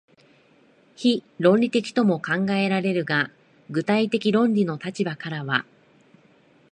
非論理的とも考えられるが、具体的論理の立場からは、